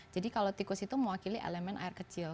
jadi kalau tikus itu mewakili elemen air kecil